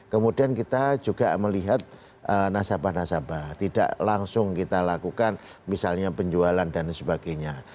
kemudian kita juga melihat nasabah nasabah tidak langsung kita lakukan misalnya penjualan dan sebagainya